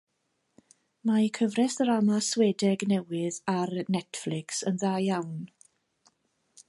Mae cyfres ddrama Swedeg newydd ar Netflix yn dda iawn.